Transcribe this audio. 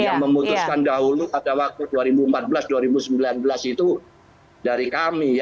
yang memutuskan dahulu pada waktu dua ribu empat belas dua ribu sembilan belas itu dari kami